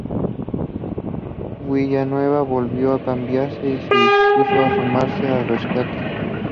Villanueva volvió a cambiarse y se dispuso a sumarse al rescate.